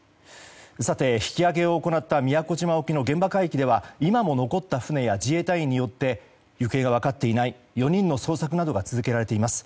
さて、引き揚げを行った宮古島沖の現場海域では今も残った船や自衛隊員によって行方が分かっていない４人の捜索が続けられています。